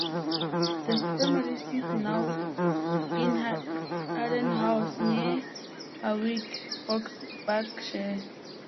The family seat now is Harden House, near Hawick, Roxburghshire.